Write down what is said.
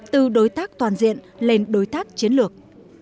từ đối tác toàn diện lên đối tác chiến lược